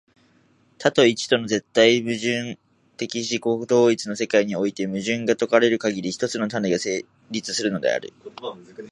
多と一との絶対矛盾的自己同一の世界において、矛盾が解かれるかぎり、一つの種が成立するのである。